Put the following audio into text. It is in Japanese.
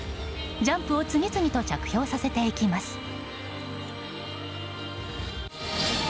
ジャンプを次々と着氷させていきます。